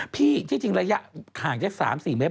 พี่ที่จริงระยะห่างจาก๓๔เมตร